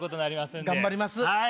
頑張ります。